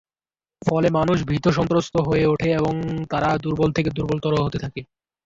ফলে মানুষ ভীতসন্ত্রস্ত হয়ে উঠে এবং তারা দুর্বল থেকে দুর্বলতর হতে থাকে।